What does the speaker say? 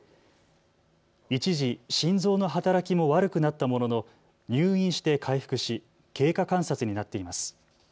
一時、心臓の働きも悪くなったものの入院して回復し経過観察になっています。